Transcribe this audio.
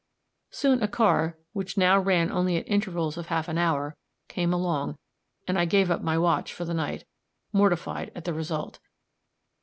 Soon a car, which now ran only at intervals of half an hour, came along, and I gave up my watch for the night, mortified at the result.